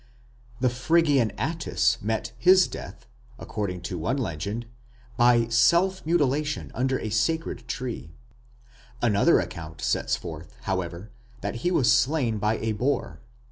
The Phrygian Attis met his death, according to one legend, by self mutilation under a sacred tree. Another account sets forth, however, that he was slain by a boar.